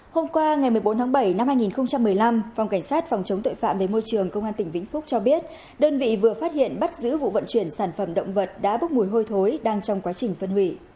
hôm qua ngày một mươi bốn tháng bảy năm hai nghìn một mươi năm phòng cảnh sát phòng chống tội phạm về môi trường công an tỉnh vĩnh phúc cho biết đơn vị vừa phát hiện bắt giữ vụ vận chuyển sản phẩm động vật đã bốc mùi hôi thối đang trong quá trình phân hủy